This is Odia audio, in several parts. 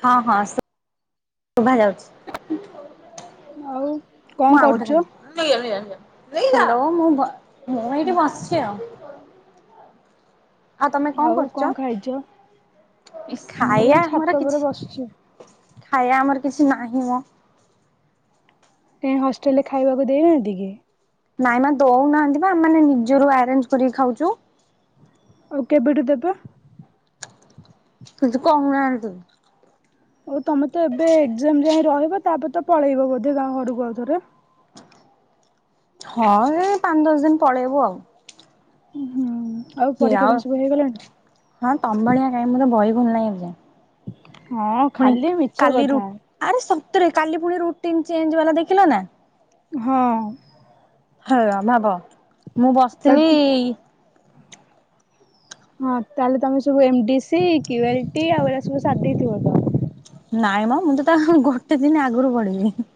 ହଁ ହଁ ଶୁଭା ଯାଉଛି। ଆଉ ମୁଁ କଣ ଆଉ ଗୋଟେ କରୁଚୁ? ଖାଲି ହ୍ୟାଲୋ ମୁଁ ମୁଁ ଏଇଠି ବସିଛି ଆଉ । ଆଉ ତମେ କ କଣ କରୁଛ ଖାଇଚ? । ମୁଁ ଖାଇବା ଏଇ ଛାତ ଆମର ଉପରେ କିଛି ବସିଚି। ଖାଇବା ଆମର କିଛି ନାହିଁ ମ କାଇ ହଷ୍ଟେଲରେ ଖାଇବାକୁ ଦେଇନାହାନ୍ତି କି? ନାଇଁ ମା ଦଉନାହାନ୍ତି ବା। ଆମେ ନିଜରୁ ଆରେଞ୍ଜ କରି ଖାଉଛୁ । ଆଉ କେଠୁ ଦେଵେ? କିଛି କହୁ ନାହାନ୍ତି ଆଉ ତମେ ତ ଏବେ ଏକ୍ଷମ୍ ଜୟେ ରହିବ ତା ପରେ ତ ପଳେଇବ ବୋଧେ ଗାଁ ଘରକୁ ଆଉ ଥରେ? ହଁ ଏଇ ପାଞ୍ଚ ଦଶ ଦିନ ପଳେଇବୁ ଆଉ। ହଁ। ଆଉ ପରୀକ୍ଷା ପାଇଁ ସବୁ ହେଇଗଲାଣି? ହଁ ତମ ଭଳିଆ କାଇଁ। ମୁଁ ତ ବହି ଖୋଲିନି ଏବେ ଯାଁଏ। ହଁ ଖାଲି ମିଛ କଥା ତରେ କାଲି ପୁଣି ରୁଟିନ ଚେଞ୍ଜ ହଲା ଦେଖିଲ ନା? ହଁ। ହ ଆମେ ବ ମୁଁ ବସିଥିଲି। ତାହେଲେ ହଁ ତାହେଲେ ତମେ ସବୁ ଏମ ଡି ସି ଜ୍ଞୁଅରଟି ଏଟା ସବୁ ସାରି ଦେଇ ଥିବ ତ? ନାଇଁ ମ ମୁଁ ତ ତା ଗୋଟେ ଦିନ ଆଗରୁ ପଢିବି ।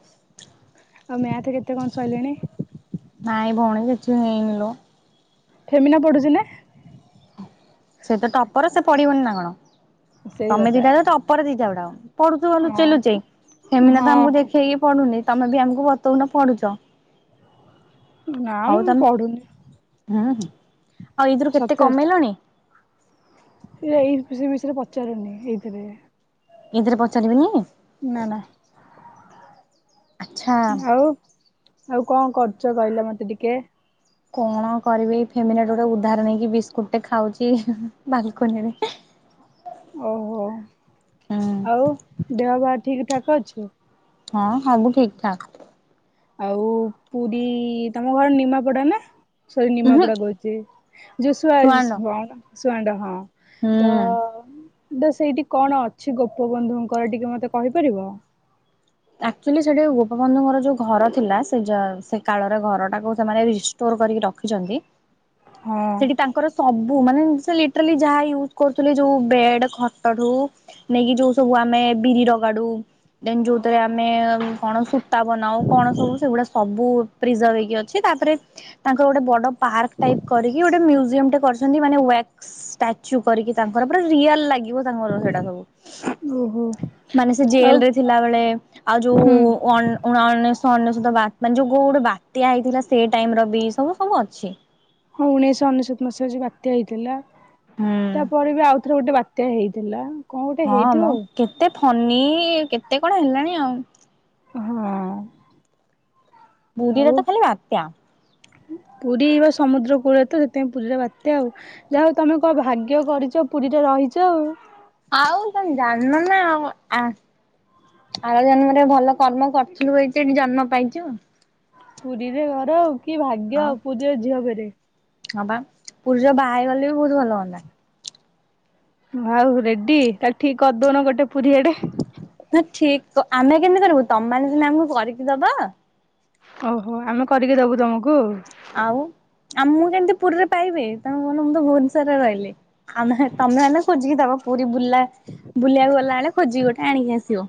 ଆଉ ମେଥ କେତେ କଣ ସଇଲାଣି? ନାଇଁ ଭଉଣୀ କିଛି ହେଇନି ଲ। ଫେମିନା ପଡ଼ୁଛି ନା। ସେ ତ ଟପର ସେ ପଡିବନି ନା କଣ? ସେଇ ତମେ କଥା ଦିଟା ଯ ଟପର ଦିଟା ଯା ଡ଼ାଉ ପଢୁଥିବ ଲୁଚାଇ ହଁ ଲୁଚାଇ। ଏମିନା ତ ଆମକୁ ହଁ। ଦେଖେଇକି ପଢୁନି। ତମେ ବି ଆମକୁ ବତଉନ ପଡୁଛ? ନା ହଉ ମୁଁ ତମେ, ପଢୁନି ହୁଁ ହୁଁ। ଆଉ ଏଇଥିରୁ କେତେ ସତରେ କମେଇଲଣି? ମି ମିଶରେ ପଚାରୁନି ଏଇଥିରେ ଏଥିରେ ପହଚାରିବେନି? ନା ନା। ଆଚ୍ଛା। ଆଉ ଆଉ କଣ କରୁଚ କହିଲ ମତେ ଟିକେ? କଣ କରିବି ଏଇ ଫ୍ୟାମିଲିଟେ ଗୋଟେ ଉଦ୍ଧାହରଣ ହେଇକି ବିସ୍କୁଟଟେ ଖାଉଚି ବାଲକୋନିରେ। ଓହୋ। ହୁଁ ଆଉ ଦେହ ଭାର ଠିକ ଠାକ ଅଛି? ହଁ। ସବୁ ଠିକ ଠାକ। ଆଉ ପୁରୀ ତମ ଘର ନିମାପଡା ନା? ସରି ନିମା ଉହୁଁ ପଡା କହୁଚି, ଯଉ [unintelligible] ସୁଆଣ୍ଡ କଣ ଶୁଆଣ୍ଡା ହଁ। ତ? ହୁଁ। ତ ସେଇଠି କଣ ଅଛି ଗୋପବନ୍ଧୁଙ୍କର ଟିକେ ମତେ କହିପାରିବ? ଆକ୍ ଚୁଲି ସେଠି ଗୋପବନ୍ଧୁଙ୍କର ଯଉ ଘର ଥିଲା, ସେ ସେ କାଳର ଘରଟାକୁ ସେମାନେ ରିଷ୍ଟୋର କରିକି ରଖିଚନ୍ତି। ହଁ ସେଠି ତାଙ୍କର ସବୁ ମାନେ ସେ ଲିଟ୍ରେଲି ଯାହା ୟୁଜ କରୁଥିଲେ ଯଉ ବେଡ ଖଟଠୁ ନେଇକି ଯଉ ସବୁ ଆମେ ବିରିଗାଡୁ ଦେନ୍ ଯୋଉ ରେ ଆମେ କଣ ସୂତା ବନାଉ କଣ ସବୁ ସେଗୁଡା ସବୁ ପ୍ରିଜର୍ଭ ହେଇକି ଅଛି। ତାପରେ ତାଙ୍କର ଗୋଟେ ବଡ ପାର୍କ ଟାଇପ କରିକି ଗୋଟେ ମ୍ୟୁଜିୟମ ଟେ କରିଛନ୍ତି। ମାନେ ୱାକ୍ସ ଷ୍ଟାଚୁ କରିକି ତାଙ୍କର ପୁରା ରିଆଲ ଲାଗିବ ତାଙ୍କର ସେଟା ସବୁ। ଓହୋ ମାନେ ସେ ଆଉ ଜେଲରେ ଥିଲାବେେଳେ ଆଉ ଯୋଉ ହୁଁ ୱା ଉଣେଶ ଅନେଶତ ମାନେ ଯୋଉ କୋଉ ଗୋଟେ ବାତ୍ୟା ହେଇଥିଲା ସେଇ ଟାଇମ ର ବି ସବୁ ସବୁ ଅଛି ହଁ ଉଣେଇଶହ ଅନେଶ୍ୱତ ମସିହା ଯେଉ ବାତ୍ୟା ହେଇଥିଲା ହୁଁ। ତାପରେ ବି ଆଉଥରେ ଗୋଟେ ବାତ ବାତ୍ୟା ହେଇଥିଲା କଣ ଗୋଟେ ହଁ ହେଇଥିବ ଆମ ଆଉ। କେତେ ଫନି କେତେ କଣ ହେଲାଣି ଆଉ ହଁ ପୁରୀରେ ତ ଖାଲି ବାତ୍ୟା ପୁରୀଇ ବା ସମୁଦ୍ର କୂଳରେ ତ ସେଥିପାଇଁ ପୁରୀରେ ବାତ୍ୟା ଆଉ ଯାହା ହଉ ତମେ କ ଭାଗ୍ୟ କରିଛ ପୁରୀରେ ରହିଛ ଆଉ ହଉଦନ୍ନ ଆମ ଜନ୍ମରେ ଭଲ କର୍ମ କରିଥିଲୁ ଏଇତ ଏଠି ଜନ୍ମ ପାଇଛୁ ପୁରୀରେ ଘରଉ କି ଭାଗ୍ୟ ଆଉ। ପୂଜଅ ଝିଅ ବରେ ହଁ ବା ପୁରୁଜ ବାହା ହେଇଗଲେ ବି ବହୁତ ଭଲ ହୁଅନ୍ତା ଆଉ ରେଡି ତାହଲେ ଠିକ କରିଦଉନ ଗୋଟେ ପୁରୀଆଡେ ହଁ ଠିକ ଆମେ କେମିତି କରିବୁ ତମେ ସନାମକୁ କରିକି ଦବା ଓହୋ ଆମେ କରିକି ଦବୁ ତମକୁ ଗୁ ଆମ ମୁଁ କେମିତି ପୁରୀରେ ପାଇବେି ତମେ କଣ ମୁଁ ତ ଭୁବନେଶଵରରେ ରହିଲି ଆମେ ତମେ ଏ ଖ ଦେବ ପ ବୁଲା ବୁଲିବାକୁ ଗଲାବେେଳେ ଖୋଜି ଗୋଟେ ଆଣିକି ଆସିବ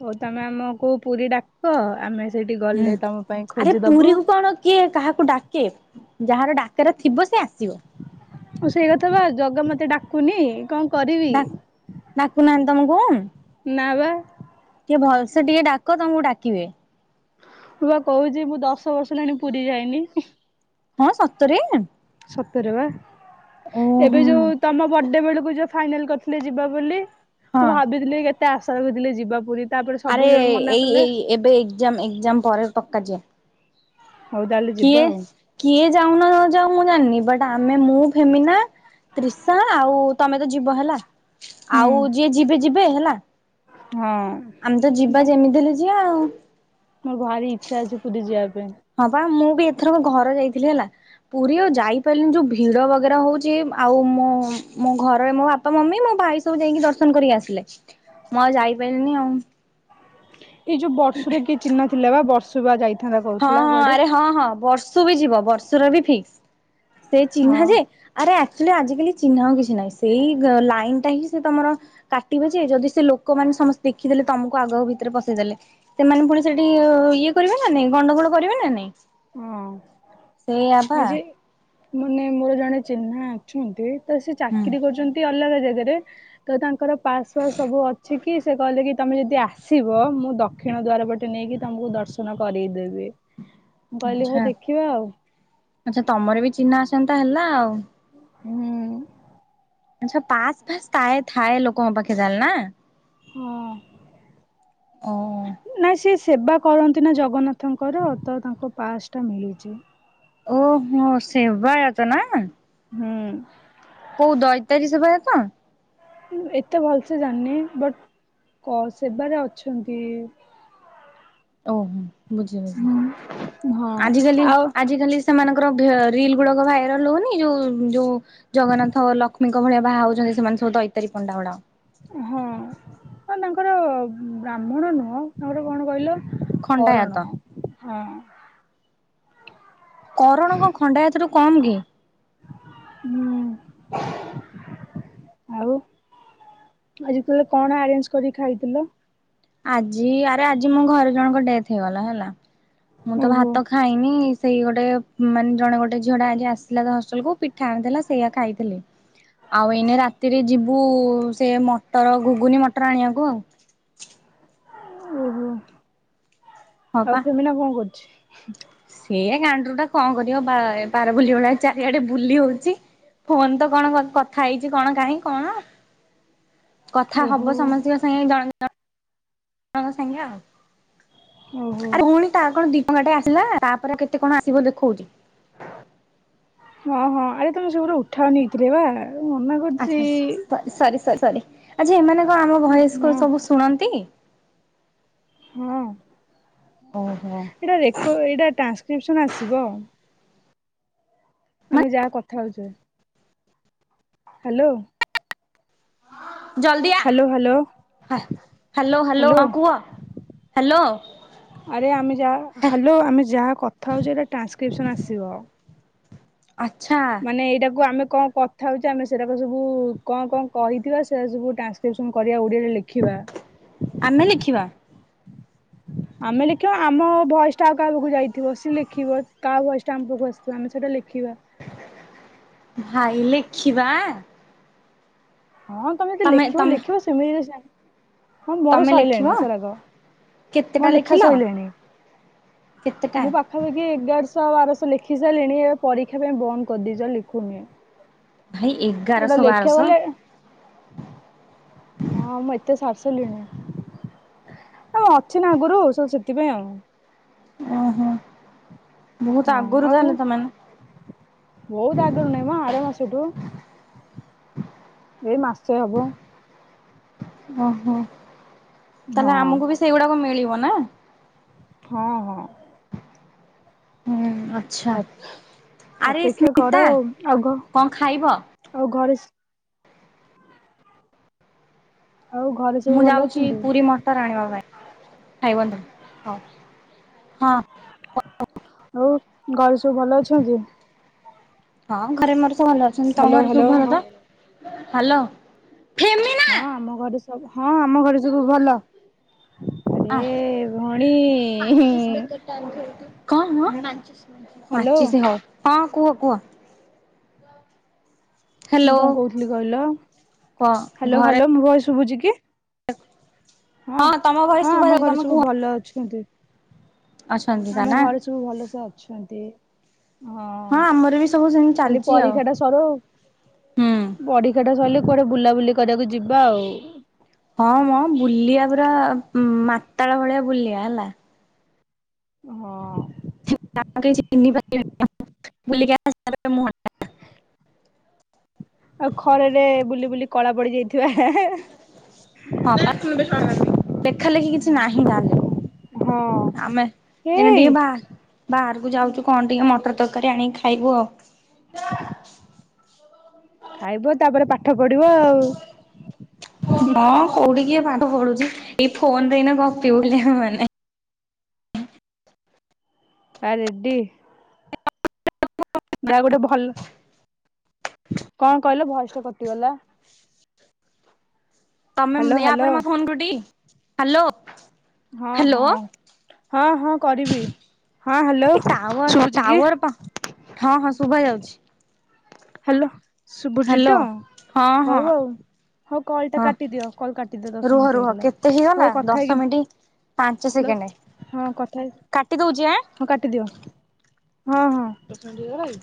ହଉ ତମେ ଆମ ଖୁ ପୁରୀ ଡାକ ଆମେ ସେଇଠି ହୁଁ। ଗଲେ ତମ ପାଇଁ ଆରେ ଖୋଜିଦବୁ ପୁରୀକୁ କଣ କିଏ କାହାକୁ ଡାକେ ଯାହାର ଡାକର ଥିବ ସେଆ ସେଇ କଥା ବା ଜଗ ମତେ ଡା କୁନି କଣ କରିବି ଦ ନାକୁ ନାହାନ୍ତି ତମକୁଣ ନୱ ଟିକେ ଭଲସେ ଟିକେ ଡାକ ତମକୁ ଡାକିବେ ହ ବା କହୁଛି ମୁଁ ଦଶ ବର୍ଷ ହେଲାଣି ପୁରୀ ଯାଇନି ହଁ ସତରେ ସତରବେ ଓହୋ ଏବେ ଯୋଉ ହଁ। ତମ ବର୍ଥଡେ ବେଳକୁ ଯ ଫାଇନାଲ୍ କରିଥିଲେ ଯିବା ବୋଲି ହୁ ହାବିଲଲି କେତ ଏତେ ଆଶାର କରିଦିଲେ ଯିବା ପୁର ଆରେ ଏଇ ଏଇ ଏବେ ଏକ୍ଜାମ ଏକ୍ଜାମ ପରେର ପକ୍କା ଯେ ହଉଦଲୁ ଯିବା ଆଉ ଯାଉନ ଯାଉ ମୁଁ ଜାଣିନି ବଟ ଆମେ ମୁଁ ଫେମିନା ତ୍ରିଶା ଆଉ ତମେ ତ ଯିବ ହେଲା ହୁଁ ଆଉ ଯିଏ ଯିବେ ଯିବେ ଏବେ ହେଲା ହଁ ଆମେ ତ ଯିବା ଯେମିତି ହେ କି କଉ ମୋର ଭାରି ଇଚ୍ଛା ଅଛି ପୁରୀ ଯିବା ପାଇଁ ହଁ ବା ମୁଁ ଏଥରକ ଘର ଯାଇଥିଲି ହେଲା ପୁରୀ ଆଉ ଯାଇପାରିଲିନି ଯୋଉ ଭିଡ ବଗେରା ହଉଛି ଆଉ ମୋ ମୋ ଘରେ ମୋ ବାପା ମମି ମୋ ଭାଇ ସବୁ ଯାଇକି ଦର୍ଶନ କରିକି ଆସିଲେ ମୁଁ ଆଉ ଯାଇପାରିଲିନି ଆଉ ହ ଏଇ ଯୋଉ ବର୍ଷରେ କିଏ ଚିହ୍ନ ଥିଲା ବା ବର୍ଷ ସୁୁ ଯାଇ ହଁ ହଁ ଆରେ ହଁ ହଁ ବର୍ଷୁ ବି ଯିବ ବର୍ଷ ର ବି ଫିକ୍ସ ସେ ହଁ ଚିହ୍ନା ଯେ ଆରେ ସେି ଆଜିକାଲି ଚିହ୍ନାନଉ କିଛି ନହିଁ ସେଇ ଲାଇନ ଟା ହିଁ ସେ ତମର କାଟିବେ ଯେ ଯଦି ସେ ଲୋକମାନେ ସମସ୍ତେ ଦେଖିଦେଲେ ତମକୁ ଆଗ ଭିତରେ ପସେଇ ଦେେଲେ ସେମାନେ ପୁଣି ସେଠି ଇଏ କରିବେ ନା ନାଇ ଗଣ୍ଡଗୋଳ କରିବେ ନା ନାଇଁ ହଁ ସେଇଆବା ଏ ଯେ ମାନେ ମୋର ଜଣେ ଚିହ୍ନା ଅଛନ୍ତି ତ ସେ ହୁଁ ଚାକିରି କରୁଛନ୍ତି ଅଲଗା ଜାଗାରେ ତ ତାଙ୍କର ପାସ୍ ଫସ୍ ସବୁ ଅଛି କି ସେ କହିଲେ କି ତମେ ଯଦି ଆସିବ ମୁଁ ଦକ୍ଷିଣ ଦଵାର ପଟେ ନେଇକି ତମକୁ ଦର୍ଶନ କରଇ ଦେେବି [unintelligible] ଆଛା ଆଚ୍ଛା ତମର ବି ିନ ଆସନ୍ତା ହେଲା ଆଉ ହୁଁ ଆଛା ପାସ୍ ଫାସ୍ ଥାଏ ଥାଏ ଲୋକଙ୍କ ପାଖେ ଚାାଲ ନା ହଁ ଓ ନା ସେ ସେବା କରନ୍ତି ନା ଜଗନ୍ନାଥଙ୍କର ତ ତାଙ୍କ ପାସ୍ ଟା ମିଳିଛି ଓହୋ ସେବା ତ ନା ହଁ କୋଉ ଦଇତାାରୀ ସେ ଭ ତ ଁ ଏତେ ଭଲ ସେେ ଜାଣିନି ବଟ ସେବାରେ ଅଛନ୍ତି ଓହୋ ବୁଝି ବୁଝ ହଁ ଆଜିିକାଲି ଆଉ ଆଜିିକାଲି ସେମାନଙ୍କର ରିଲ ଗୁଡିକ ଭାଇରାଲ ହଉନି ଯୋଉ ଯୋଉ ଜଗନ୍ନାଥ ଲକ୍ଷ୍ମୀଙ୍କ ଭଳିଆ ବାହା ହଉଛନ୍ତି ସେମାନେ ସବୁ ଦୈତାରୀ ପଣ୍ଡା ଭଡ ହଁ ଆ ତାଙ୍କର ବ୍ରାହ୍ମଣ ନୁହଁ ତାଙ୍କର କଣ କହିଲ କରଣ ଖଣ୍ଟାତା ହଁ କରଣଙ୍କ ଖଣ୍ଡା ହାତରୁକୁ କମ୍ କି ହୁଁ ଆଉ ଆଜି କହେ କଣ ଆରେଞ୍ଜ କରିକି ଖାଇଥିଲ ଆଜି ଆରେ ଆଜି ମୋ ଘରେ ଜଣଙ୍କ ଡେଥ ହେଇଗଲା ହେଲା ମୁଁ ତ ଓହୋ। ଭାତ ଖାଇନି ସେଇ ଗୋଟେ ମାନେ ଜଣେ ଗୋଟେ ଝିଅଡା ଆଜି ଆସଥିଲାା ହଷ୍ଟେଲକୁୁ ପିଠା ଆଣିଥିଲା ସେଇଆ ଖାଇଥିଲି ଆଉ ଏଇନେ ରାତିରେ ଯିବୁ ସେ ମଟର ଘୁଗୁନି ମଟର ଆଣିବାକୁ ଆଉ ଓହୋ ଆଉ କେମିନା କଣ କରୁଛି ହ ସେି କାଣ୍ଡରୁ ଟା କଣ କରିବ ବାର ବୁଲ ଭଳିଆ ଚାରିଆଡେ ବୁଲି ହଉଛି ଫୋନ ତ କଣ କଥା ହେଇଛି କଣ କାହିଁ କଣ କଥା ଓହୋ ହବ ସମସ୍ତଙ୍କ ସାଙ୍ଗେ ଜଣ ହଁ ହଙ୍କ ସାଙ୍ଗେ ଆଉ ଓହୋ। ଆରେ ପୁଣି ତା କଣ ଦି ାଟେ ଆସିଲା ତାପରେ କେତେ କଣ ଆସିବ ଦେଖଉଛି ହଁ ହଁ ଆରେ ତମେ ସଗୁୁର ଉଠା ନେଇଥିଲେ ବା ମନା କରୁଛି। ଆ୍ଛା ସରି ସରି ସ ଆ୍ା ଏମାନେ ହ ଆମ ଭୟସ କୁ ହଁ ସବୁ ଶୁଣନ୍ତି ହଁ ଓହୋ ଏଇଟା ରେ ଏଇଟା ଟ୍ରାନ୍ସକ୍ରିପସନ ଆସିବ ମାନେ ଆମେ ଯାହା କଥା ହଉଛୁ ହ୍ୟାଲୋ ଜଲ୍ଦି ଆ hello hello hello hello hello ହଁ କୁହ ହ୍ୟାଲୋ ଆରେ ହଲ ଆମେ ଯାହା କଥା ହଉଛଟା ଆସିବ ଆ ଆଚ୍ଛା ମାନେ ଏଇଟାକୁ ଆମେ କଣ କଥା ହେଉଛି ଆମେ ସେଇଟାକ ସବୁ କଣ କଣ କହିଥିବା ସେଟା ସବୁ ଟ୍ରାନ୍ସକ୍ରିପସନ କରିବା ଓଡ଼ିଆରେ ଲେଖିବା ଆମେ ଲେଖିବା ଆମେ ଲେଖିବା ଆମ ଭୟସ ଟା ଆଉ କାହା ପାଖକୁ ଯାଇଥିବ ସିଏ ଲେଖିବ କାହା ଭୟସ ଟା ଆମ ପାଖକୁ ଆସିଥିବ ଆମେ ସେଇଟା ଲେଖିବା ଭାଇ ଲେଖିବା ହଁ ତମେେ ତମେ ଲେଖିବ ତମେ ଲେଖିବ ସେମିତିରେ ହଁ ମୋର ତମେ ସରିଲଣି ଲେଖିବ? ସେଟାକ କେତେଟା ମୋର ଲେଖା ଲେଖିଲ ସହୋଇିଲଣି କେତେଟା? ମୁଁ ପାଖାପାଖି ଏଗାର ବାରଶ ଲେଖି ସାରିଲଣି ଏବେ ପରୀକ୍ଷା ପାଇଁ ବନ୍ଦ କରିଦେଇଛ ଲେଖୁନି ଭାଇ ଗୋଟେ ଏଗାରଶହ ଲେଖିବାକୁ ବାରଶହ ଗଲେ ହଁ ମତେ ଏତେ ସାରିସିଲିଣି ଆଉ ଅଛି ନା ଆଗରୁ ସୁ ସେଥିପାଇଁ ଆଉ ଓ ହୋ ବହୁତ ଆଗରୁ ତାହଲେ ତମାନେ ହଉଦାଗରୁ ନାଇମା ଆରାମସ ଏଇ ମାସଛ ହବ ଓହୋ ତାହେଲେ ହଁ ଆମକୁ ବି ସେଇଗୁଡାକୁ ମିଳିବ କ ନା ହଁ ହଁ ହୁଁ ଆଚ୍ଛା ଆରେ ଅପେକ୍ଷା କର ସ୍ମିତା ଆ ଆଗ କଣ ଖାଇବ? ଆଉ ଘରେ ଆଉ ଘରେ ସବୁ ମୁଁ ଭଲ ଯାଉଛି ଅଛନ୍ତି ପୁରୀ ମଟର ଆଣିବା ପାଇଁ ଖାଇବନ୍ତୁ ହଉ ହଁ ହଉ ଘାଉ ସୁ ଭଲ ଅଛନ୍ତି ହଁ ଘରେ ମର ଭଲ ଅଛନ୍ତି ତମ ହ୍ୟାଲୋ ଘର ସବୁ ହ୍ୟାଲୋ ଭଲ ହଁ ତ ହ୍ୟାଲୋ ଫେମିନା ହଁ ଆମ ଘରେ ସବୁ ହଁ ଆମ ଘରେ ସବୁ ଭଲ ଆରେ ଭଉଣୀ କଣି ହ୍ୟାଲୋ ହଉ ହଁ କୁହ କୁହ ମୁଁ ହ୍ୟାଲୋ। କଣ କହୁଥିଲି କହିଲ କହ ହ୍ୟାଲୋ ଘରେ ହଲ ମୁଁ ଶୁଭୁଛି କି ହଁ ତମ ଭଏସ ହଁ ଶୁଭା ଆମ ଯାଉଛି ଘରେ ତମେ ସବୁ କୁହ। ଭଲ ଅଛନ୍ତି ଅଛନ୍ତି ତା ଆମ ନା? ଘରେ ସବୁ ଭଲସେ ଅଛନ୍ତି ହଁ ଆମର ବି ସବୁ ସେମତି ଖାଲି ଚାଲିଛି ଆଉ ପରୀକ୍ଷା ଟା ସରୁ ହୁଁ ପରୀକ୍ଷା ଟା ସରିଲେ କୁଆଡେ ବୁଲାବୁଲି କରିବାକୁ ଯିବା ଆଉ ହଁ ମୁଁ ବୁଲିବା ପୁରରା ଉଁ ମାତାଳ ଭଳିଆ ବୁଲିବା ହେଲା ହଁ ବ ଆଉ ଖରରେ ବୁଲି ବୁଲି କଳା ପଡି ଯାଇଥିବା ହଁ ଦେଖା ଲେଖି କିଛି ନାହିଁ ତାହଲେ ଆମେ ଏନେ ହେଇ ଟିକେ ବା ବାହାରକୁ ଯାଉଛୁ କଣ ଟିକେ ମଟର ତରକାରୀ ଆଣ ଖାଇବୁ ଖାଇବ ତାପରେ ପାଠ ପଢିବ ଆଉ ହଁ କୋଉଠିିକିଏ ପାଠ ପଢୁଛି ଏଇ ଫୋନରେନା କପି ଉିଲ ମାନେ ଆ ରେଡି ଯାହା ଗୋଟେ ଭଲ କଣ କହିଲ ଭୟସା କଟିଗଲା ତମେ ୟା ହ୍ୟାଲୋ ହ୍ୟାଲୋ ପରେରେ ମ ଫୋନ କଠି ହ୍ୟାଲୋ ହଁ ହ୍ୟାଲୋ। ହଁ ହଁ ହଁ କରିବି ହଁ ହ୍ୟାଲୋ ଏ ଟାୱାର ଶୁଭୁଛି ଟାୱାର ପା ହଁ ହଁ କି [unintelligible] ହ୍ୟାଲୋ ଶୁଭୁଜ୍ରୀ ହ୍ୟାଲୋ ଟ ହଁ ହଁ ହଉ ହଉ ହଉ କଲ ଟା ହଁ କାଟିଦିଅ କଲ କାଟିଦିଅ ଦଶ ରୁହ ମିନିଟ ରୁହ ହେଇଗଲା କେତେ ହେଇଗଲା ହଉ କଥା ଦଶ ମିନିଟ୍ ପାଞ୍ଚ ହେଇକି ସେକେଣ୍ଡ ହଁ କଥା ହେଇକି କାଟି ହଁ କାଟିଦିଅ ହଁ ହଁ। ପ୍ର ଭାଇ